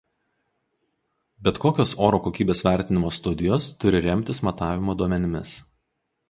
Bet kokios oro kokybės vertinimo studijos turi remtis matavimo duomenimis.